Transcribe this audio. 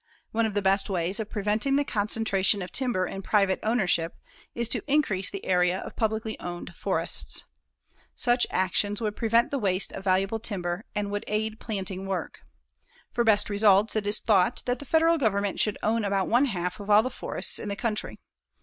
One of the best ways of preventing the concentration of timber in private ownership is to increase the area of publicly owned forests. Such actions would prevent the waste of valuable timber and would aid planting work. For best results, it is thought that the Federal Government should own about one half of all the forests in the country.